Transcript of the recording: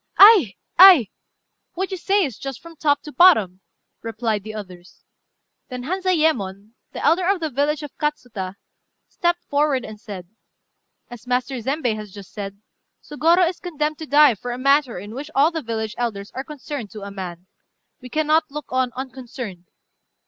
"Ay! ay! what you say is just from top to bottom," replied the others. Then Hanzayémon, the elder of the village of Katsuta, stepped forward and said "As Master Zembei has just said, Sôgorô is condemned to die for a matter in which all the village elders are concerned to a man. We cannot look on unconcerned.